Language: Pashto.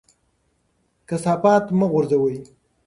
کثافات مه غورځوئ.